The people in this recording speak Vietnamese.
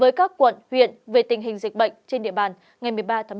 với các quận huyện về tình hình dịch bệnh trên địa bàn ngày một mươi ba một mươi một